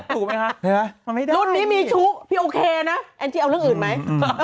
ถูกไหมคะรุ่นนี้มีชู้พี่โอเคนะแอนจี้เอาเรื่องอื่นไหม